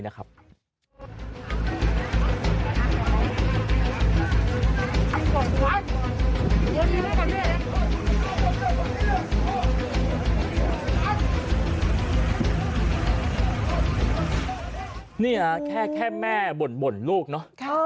นี่ฮะแค่แม่บ่นลูกเนอะ